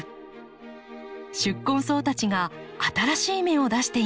宿根草たちが新しい芽を出しています。